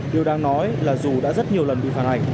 điều đang nói là dù đã rất nhiều lần bị phản ảnh